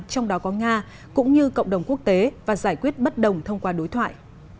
trong đó có nga cũng như cộng đồng quốc tế và giải quyết bất đồng thông qua đối thoại